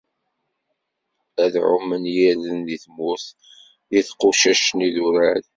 Ad ɛumen yirden di tmurt, di tqucac n idurar.